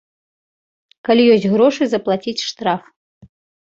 Калі ёсць грошы заплаціць штраф.